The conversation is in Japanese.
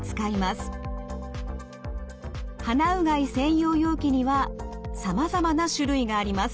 鼻うがい専用容器にはさまざまな種類があります。